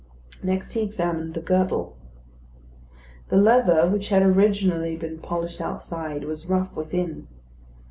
Next he examined the girdle. The leather, which had originally been polished outside, was rough within.